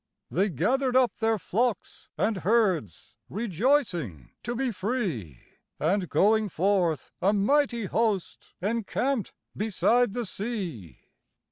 They gathered up their flocks and herds, Rejoicing to be free; And, going forth, a mighty host, Encamped beside the sea.